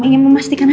ya makasih ya